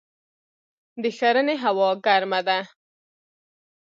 د ښرنې هوا ګرمه ده